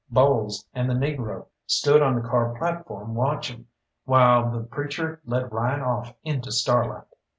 Bowles and the negro stood on the car platform watching, while the preacher led Ryan off into starlight.